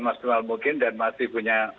maksimal mungkin dan masih punya